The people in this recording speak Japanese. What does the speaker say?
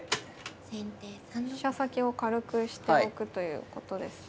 飛車先を軽くしておくということですね。